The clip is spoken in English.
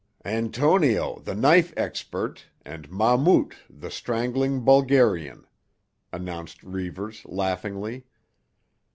"Antonio, the Knife Expert, and Mahmout, the Strangling Bulgarian," announced Reivers laughingly.